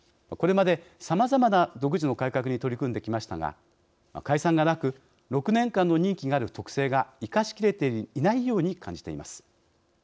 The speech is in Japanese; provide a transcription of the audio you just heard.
これまでさまざまな独自の改革に取り組んできましたが解散がなく６年間の任期がある特性が生かし切れていないように感じています。